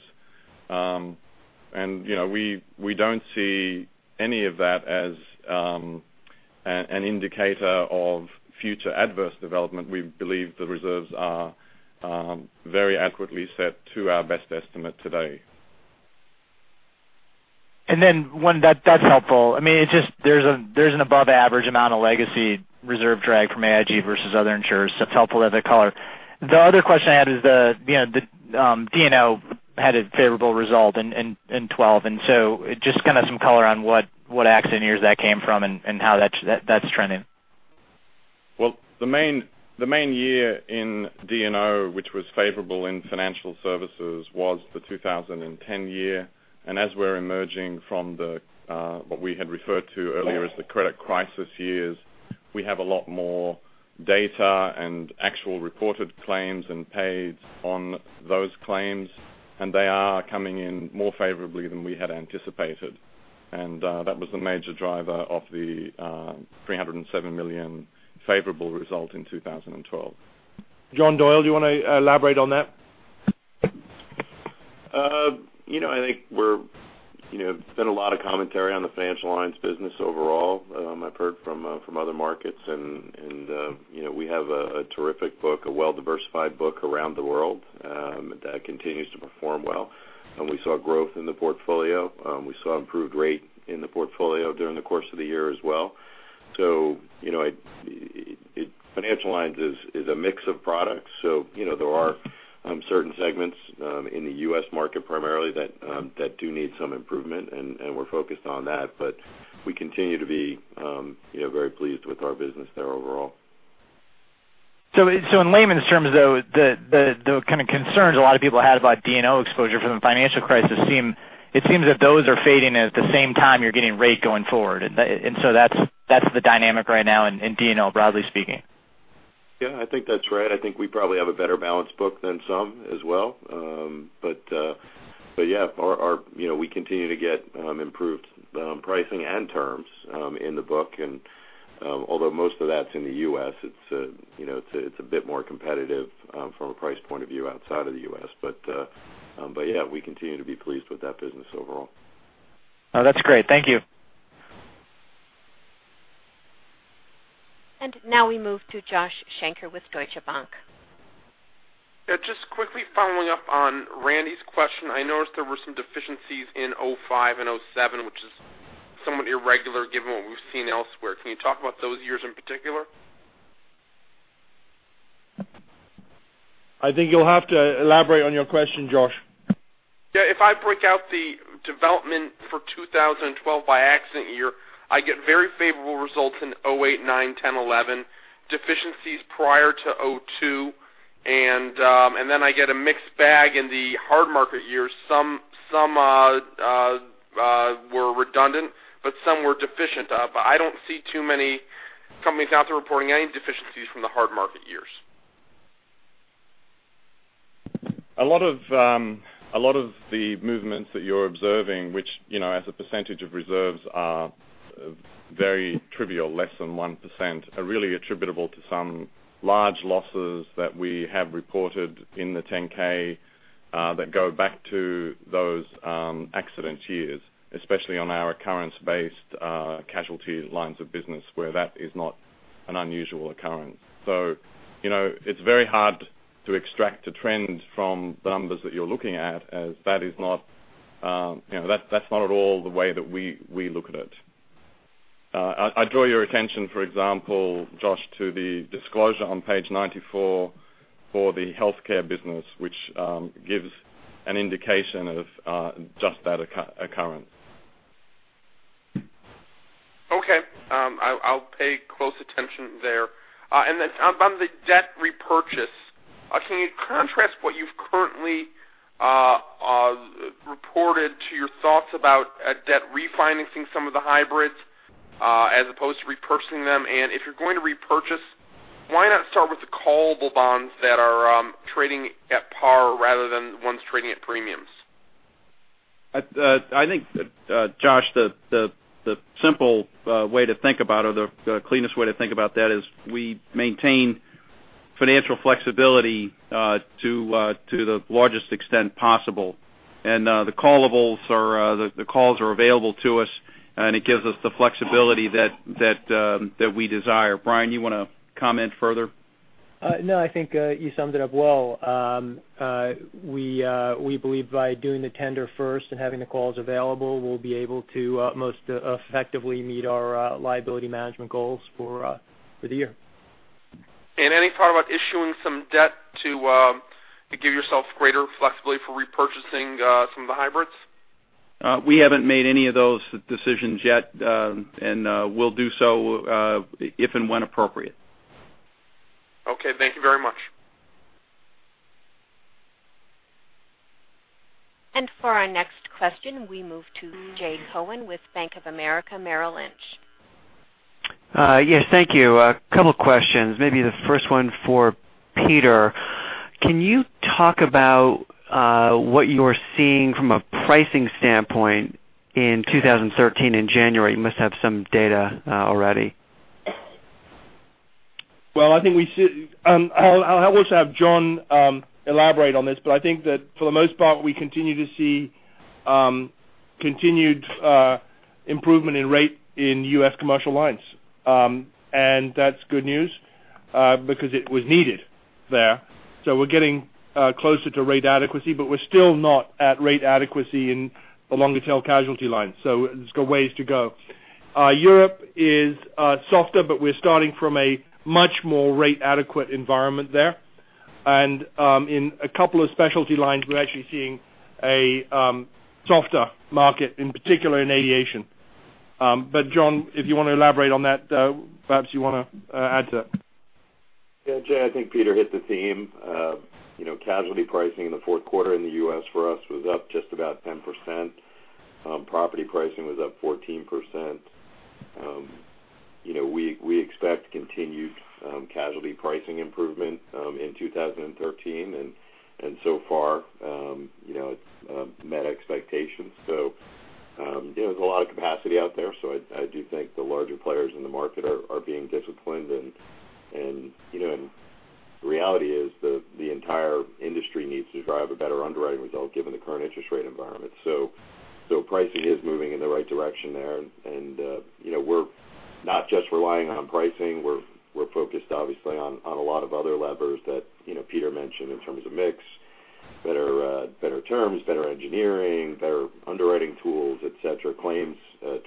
We don't see any of that as an indicator of future adverse development. We believe the reserves are very accurately set to our best estimate today. That's helpful. There's an above average amount of legacy reserve drag from AIG versus other insurers, so it's helpful to have that color. The other question I had is the D&O had a favorable result in 2012, just kind of some color on what accident years that came from and how that's trending. Well, the main year in D&O which was favorable in financial services was the 2010 year. As we're emerging from what we had referred to earlier as the credit crisis years, we have a lot more data and actual reported claims and pays on those claims, and they are coming in more favorably than we had anticipated. That was the major driver of the $307 million favorable result in 2012. John Doyle, do you want to elaborate on that? I think there's been a lot of commentary on the financial lines business overall. I've heard from other markets. We have a terrific book, a well-diversified book around the world that continues to perform well. We saw growth in the portfolio. We saw improved rate in the portfolio during the course of the year as well. Financial lines is a mix of products. There are certain segments in the U.S. market primarily that do need some improvement, and we're focused on that. We continue to be very pleased with our business there overall. In layman's terms, though, the kind of concerns a lot of people had about D&O exposure from the financial crisis, it seems that those are fading at the same time you're getting rate going forward. That's the dynamic right now in D&O, broadly speaking. Yeah, I think that's right. I think we probably have a better balanced book than some as well. Yeah, we continue to get improved pricing and terms in the book and although most of that's in the U.S., it's a bit more competitive from a price point of view outside of the U.S. Yeah, we continue to be pleased with that business overall. No, that's great. Thank you. Now we move to Josh Shanker with Deutsche Bank. Yeah. Just quickly following up on Randy's question, I noticed there were some deficiencies in 2005 and 2007, which is somewhat irregular given what we've seen elsewhere. Can you talk about those years in particular? I think you'll have to elaborate on your question, Josh. If I break out the development for 2012 by accident year, I get very favorable results in 2008, 2009, 2010, 2011. Deficiencies prior to 2002. Then I get a mixed bag in the hard market years. Some were redundant, but some were deficient. I don't see too many companies out there reporting any deficiencies from the hard market years. A lot of the movements that you're observing, which, as a percentage of reserves are very trivial, less than 1%, are really attributable to some large losses that we have reported in the 10-K that go back to those accident years, especially on our occurrence-based casualty lines of business where that is not an unusual occurrence. It's very hard to extract a trend from the numbers that you're looking at, as that's not at all the way that we look at it. I draw your attention, for example, Josh, to the disclosure on page 94 for the healthcare business, which gives an indication of just that occurrence. Okay. I'll pay close attention there. Then on the debt repurchase, can you contrast what you've currently reported to your thoughts about a debt refinancing some of the hybrids as opposed to repurchasing them? If you're going to repurchase, why not start with the callable bonds that are trading at par rather than ones trading at premiums? I think, Josh, the simple way to think about it, or the cleanest way to think about that, is we maintain financial flexibility to the largest extent possible. The calls are available to us, and it gives us the flexibility that we desire. Brian, you want to comment further? No, I think you summed it up well. We believe by doing the tender first and having the calls available, we'll be able to most effectively meet our liability management goals for the year. Any thought about issuing some debt to give yourself greater flexibility for repurchasing some of the hybrids? We haven't made any of those decisions yet, and we'll do so if and when appropriate. Okay. Thank you very much. For our next question, we move to Jay Cohen with Bank of America Merrill Lynch. Yes. Thank you. A couple questions, maybe the first one for Peter. Can you talk about what you're seeing from a pricing standpoint in 2013 in January? You must have some data already. Well, I'll also have John elaborate on this, but I think that for the most part, we continue to see continued improvement in rate in U.S. commercial lines. That's good news because it was needed there. We're getting closer to rate adequacy, but we're still not at rate adequacy in the longer tail casualty line. There's ways to go. Europe is softer, but we're starting from a much more rate-adequate environment there. In a couple of specialty lines, we're actually seeing a softer market, in particular in aviation. John, if you want to elaborate on that, perhaps you want to add to that. Yeah, Jay, I think Peter hit the theme. Casualty pricing in the fourth quarter in the U.S. for us was up just about 10%. Property pricing was up 14%. We expect continued casualty pricing improvement in 2013, and so far it's met expectations. There's a lot of capacity out there. I do think the larger players in the market are being disciplined, and the reality is the entire industry needs to drive a better underwriting result given the current interest rate environment. Pricing is moving in the right direction there, and we're not just relying on pricing. We're focused, obviously, on a lot of other levers that Peter mentioned in terms of mix, better terms, better engineering, better underwriting tools, et cetera, claims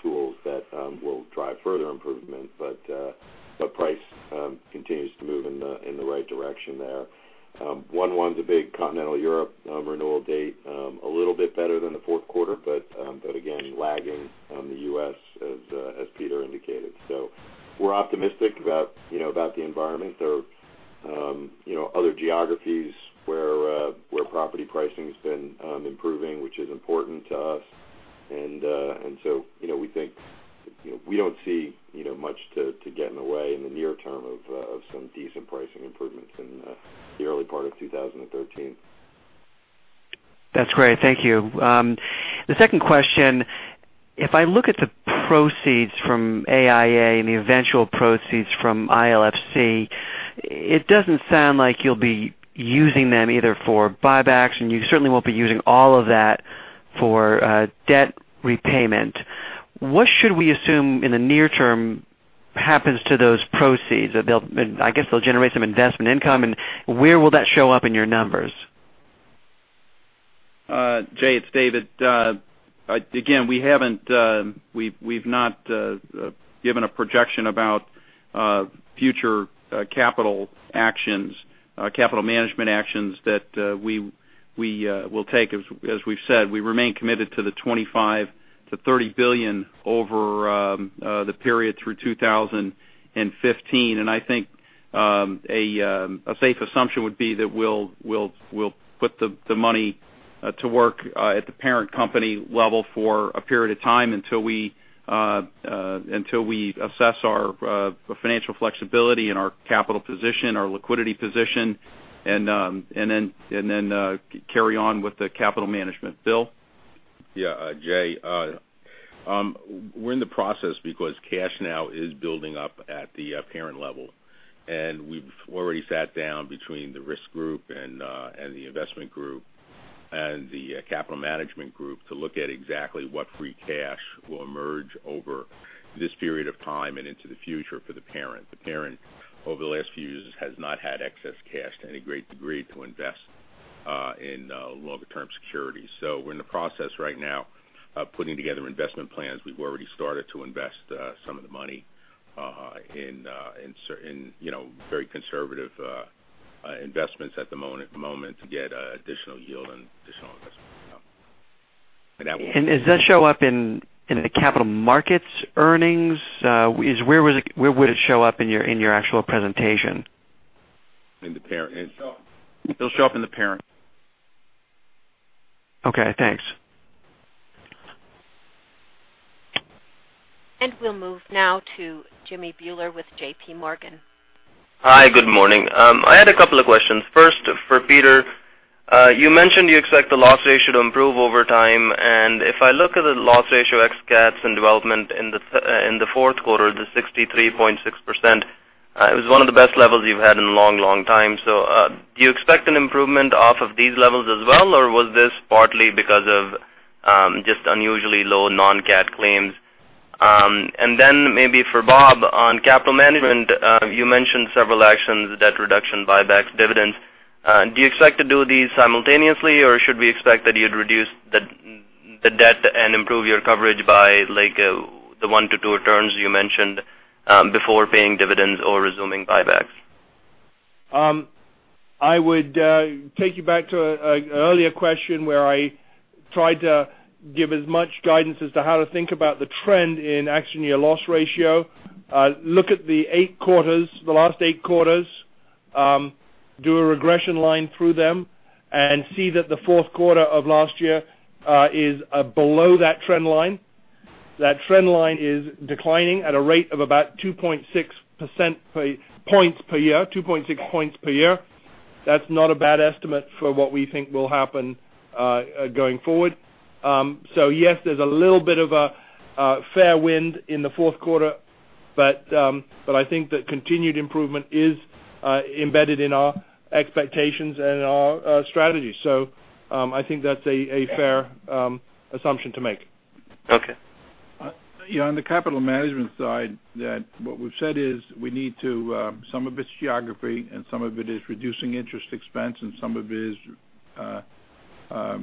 tools that will drive further improvement. The price continues to move in the right direction there. One point is a big continental Europe renewal date, a little bit better than the fourth quarter, but again, lagging on the U.S. as Peter indicated. We're optimistic about the environment. There are other geographies where property pricing's been improving, which is important to us. We don't see much to get in the way in the near term of some decent pricing improvements in the early part of 2013. That's great. Thank you. The second question, if I look at the proceeds from AIA Group and the eventual proceeds from International Lease Finance Corporation, it doesn't sound like you'll be using them either for buybacks, and you certainly won't be using all of that for debt repayment. What should we assume in the near term happens to those proceeds? I guess they'll generate some investment income. Where will that show up in your numbers? Jay, it's David Herzog. Again, we've not given a projection about future capital management actions that we'll take. As we've said, we remain committed to the $25 billion-$30 billion over the period through 2015. I think a safe assumption would be that we'll put the money to work at the parent company level for a period of time until we assess our financial flexibility and our capital position, our liquidity position, and then carry on with the capital management. Bob Benmosche? Yeah, Jay, we're in the process because cash now is building up at the parent level, and we've already sat down between the risk group and the investment group and the capital management group to look at exactly what free cash will emerge over this period of time and into the future for the parent. The parent, over the last few years, has not had excess cash to any great degree to invest in longer-term security. We're in the process right now of putting together investment plans. We've already started to invest some of the money in very conservative investments at the moment to get additional yield and additional investment income. Does that show up in the capital markets earnings? Where would it show up in your actual presentation? In the parent. It'll show up in the parent. Okay, thanks. We'll move now to Jimmy Bhullar with JPMorgan. Hi, good morning. I had a couple of questions. First, for Peter, you mentioned you expect the loss ratio to improve over time. If I look at the loss ratio ex cats and development in the fourth quarter, the 63.6%, it was one of the best levels you've had in a long, long time. Do you expect an improvement off of these levels as well, or was this partly because of just unusually low non-cat claims? Maybe for Bob, on capital management, you mentioned several actions, debt reduction, buybacks, dividends. Do you expect to do these simultaneously, or should we expect that you'd reduce the debt and improve your coverage by the one to two returns you mentioned before paying dividends or resuming buybacks? I would take you back to an earlier question where I tried to give as much guidance as to how to think about the trend in action year loss ratio. Look at the last eight quarters, do a regression line through them and see that the fourth quarter of last year is below that trend line. That trend line is declining at a rate of about 2.6 points per year. That's not a bad estimate for what we think will happen going forward. Yes, there's a little bit of a fair wind in the fourth quarter, but I think that continued improvement is embedded in our expectations and in our strategy. I think that's a fair assumption to make. Okay. On the capital management side, what we've said is some of it's geography and some of it is reducing interest expense, and some of it is,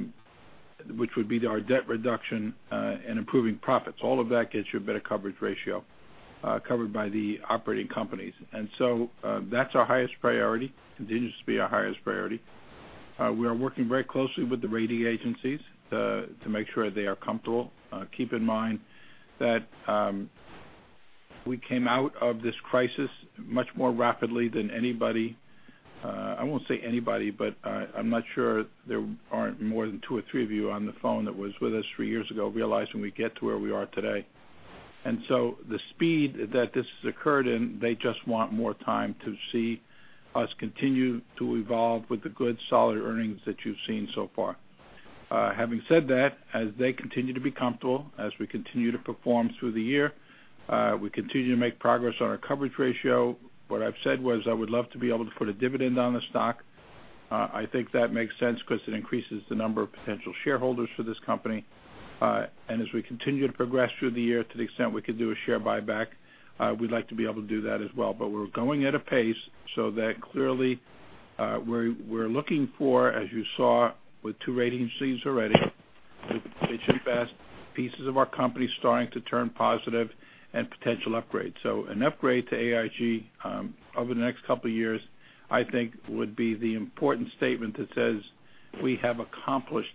which would be our debt reduction, and improving profits. All of that gets you a better coverage ratio covered by the operating companies. That's our highest priority, continues to be our highest priority. We are working very closely with the rating agencies to make sure they are comfortable. Keep in mind that we came out of this crisis much more rapidly than anybody. I won't say anybody, but I'm not sure there aren't more than two or three of you on the phone that was with us three years ago realizing we get to where we are today. The speed that this has occurred in, they just want more time to see us continue to evolve with the good, solid earnings that you've seen so far. Having said that, as they continue to be comfortable, as we continue to perform through the year, we continue to make progress on our coverage ratio. What I've said was, I would love to be able to put a dividend on the stock. I think that makes sense because it increases the number of potential shareholders for this company. As we continue to progress through the year, to the extent we can do a share buyback, we'd like to be able to do that as well. We're going at a pace so that clearly we're looking for, as you saw with two rating agencies already, with Fitch and fast pieces of our company starting to turn positive and potential upgrades. So an upgrade to AIG over the next couple of years, I think, would be the important statement that says we have accomplished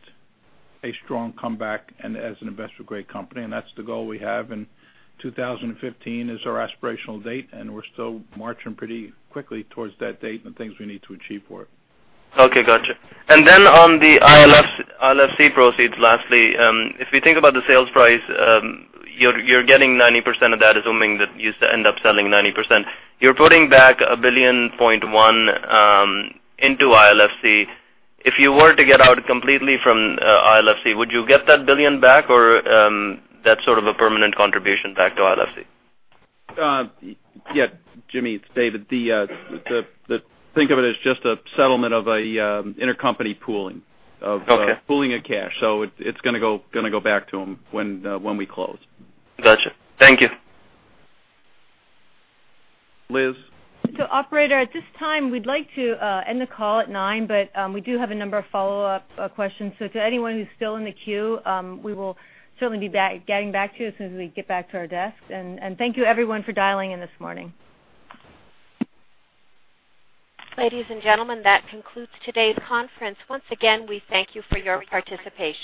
a strong comeback and as an investor-grade company, that's the goal we have. 2015 is our aspirational date, and we're still marching pretty quickly towards that date and things we need to achieve for it. Okay, got you. On the ILFC proceeds, lastly, if we think about the sales price, you're getting 90% of that, assuming that you end up selling 90%. You're putting back $1.1 billion into ILFC. If you were to get out completely from ILFC, would you get that $1 billion back, or that's sort of a permanent contribution back to ILFC? Yeah, Jimmy, it's David. Think of it as just a settlement of intercompany pooling. Okay. pooling of cash. It's going to go back to them when we close. Got you. Thank you. Liz? Operator, at this time, we'd like to end the call at 9:00, but we do have a number of follow-up questions. To anyone who's still in the queue, we will certainly be getting back to you as soon as we get back to our desks. Thank you everyone for dialing in this morning. Ladies and gentlemen, that concludes today's conference. Once again, we thank you for your participation.